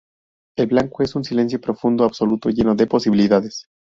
El blanco es un silencio profundo, absoluto, lleno de posibilidades.